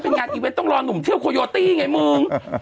เป็นงานอีเวนต์ต้องรอหนุ่มเที่ยวโคโยตี้ไงมึง